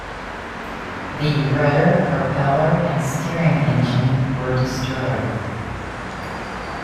The rudder, propeller and steering engine were destroyed.